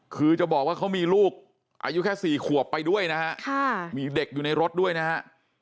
คือจะบอกว่าเขามีลูกอายุแค่๔ขวบไปด้วยนะฮะมีเด็กอยู่ในรถด้วยนะฮะ